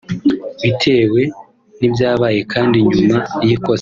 Bitewe n’ibyabaye kandi nyuma y’ikosa